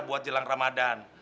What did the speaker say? buat jelang ramadhan